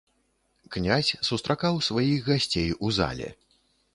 Князь сустракаў сваіх гасцей у зале.